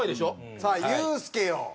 さあユースケよ。